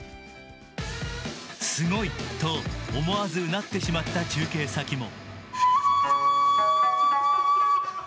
すごいと思わずうなってしまった中継先も。